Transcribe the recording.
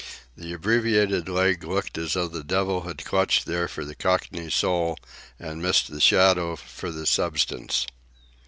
The abbreviated leg looked as though the devil had there clutched for the Cockney's soul and missed the shadow for the substance.